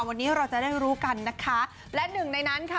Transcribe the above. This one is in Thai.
วันนี้เราจะได้รู้กันนะคะและหนึ่งในนั้นค่ะ